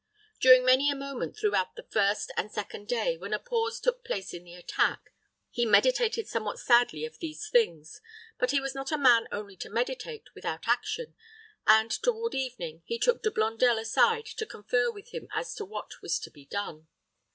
During many a moment throughout the first and second day, when a pause took place in the attack, he meditated somewhat sadly of these things; but he was not a man only to meditate, without action; and toward evening he took De Blondel aside to confer with him as to what was to be done.